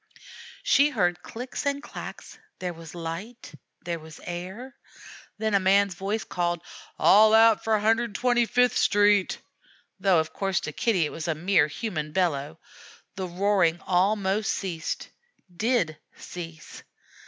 She heard clicks and clacks. There was light; there was air. Then a man's voice called, "All out for 125th Street," though of course to Kitty it was a mere human bellow. The roaring almost ceased did cease.